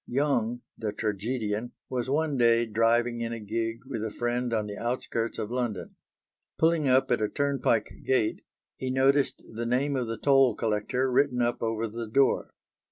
Young, the tragedian, was one day driving in a gig with a friend on the outskirts of London. Pulling up at a turn pike gate he noticed the name of the toll collector written up over the door.